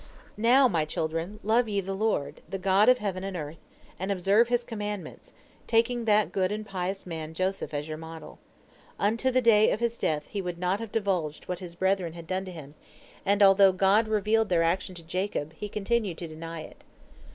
"Now, my children, love ye the Lord, the God of heaven and earth, and observe His commandments, taking that good and pious man Joseph as your model. Until the day of his death he would not have divulged what his brethren had done to him, and although God revealed their action to Jacob, he continued to deny it.